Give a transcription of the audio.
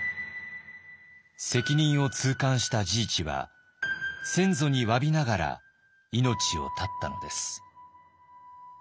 責任を痛感した治一は先祖にわびながら命を絶ったのです。